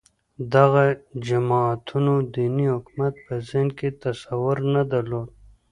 دغو جماعتونو دیني حکومت په ذهن کې تصور نه درلود